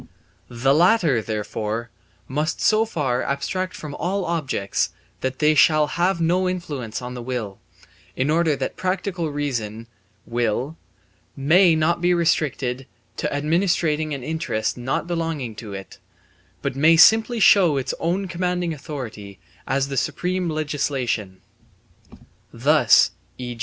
The latter therefore must so far abstract from all objects that they shall have no influence on the will, in order that practical reason (will) may not be restricted to administering an interest not belonging to it, but may simply show its own commanding authority as the supreme legislation. Thus, e.